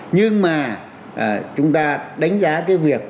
nhưng mà chúng ta đánh giá cái việc